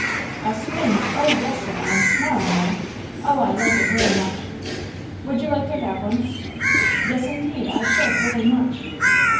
"A swing! oh, yes," said Ellen, "now I know. Oh, I like it very much." "Would you like to have one?" "Yes, indeed I should, very much."